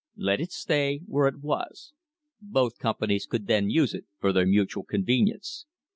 Let it stay where it was. Both companies could then use it for their mutual convenience.